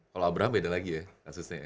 kalau abraham beda lagi ya kasusnya ya